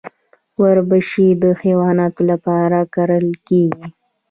وربشې د حیواناتو لپاره کرل کیږي.